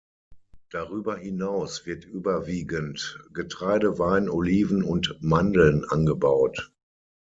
Darüber hinaus wird überwiegend Getreide, Wein, Oliven und Mandeln angebaut.